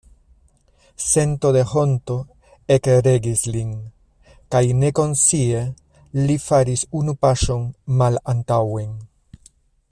Sento de honto ekregis lin, kaj nekonscie li faris unu paŝon malantaŭen.